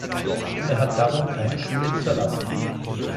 Er hat darum keine Schule hinterlassen.